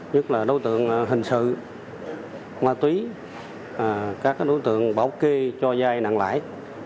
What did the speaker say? nhất là đối tượng hình sự hoa túy các đối tượng bảo kê cho dai nặng lãi